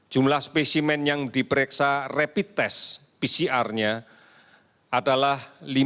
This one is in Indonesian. jumlah spesimen yang diperiksa rapid test pcr nya adalah lima puluh sembilan sembilan ratus tiga puluh lima